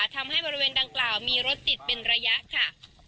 ทำให้บริเวณดังกล่าวมีรถติดเป็นระยะค่ะ